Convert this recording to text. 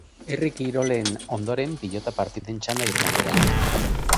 Herri kirolen ondoren pilota partiden txanda izango da.